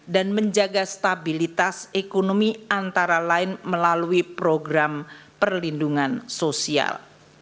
dan menjaga stabilitas ekonomi antara lain melalui program perlindungan sosial